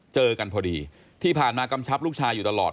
เจอกันพอดีที่ผ่านมากำชับลูกชายอยู่ตลอด